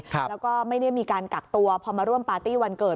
แล้วก็ไม่ได้มีการกักตัวพอมาร่วมปาร์ตี้วันเกิด